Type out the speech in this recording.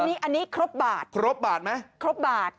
อันนี้อันนี้ครบบาทครบบาทไหมครบบาท